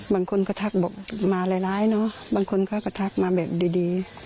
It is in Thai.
บางคนก็ทักบอกมาร้ายเนอะบางคนเขาก็ทักมาแบบดี